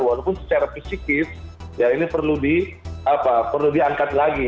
walaupun secara fisikis ya ini perlu diangkat lagi